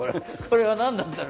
これは何なんだ。